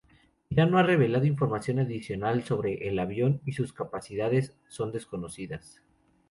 Irán no ha revelado información adicional sobre el avión y sus capacidades son desconocidas.